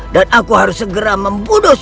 dan aku harus segera membunuh